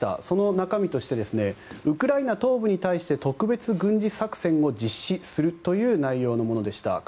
その中身としてウクライナ東部に対して特別軍事作戦を実施するという内容のものでした。